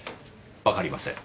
わかりません。